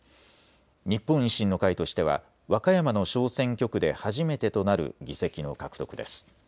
日本維新の会としては和歌山の小選挙区で初めてとなる議席の獲得です。